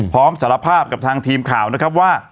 สารภาพกับทางทีมข่าวนะครับว่า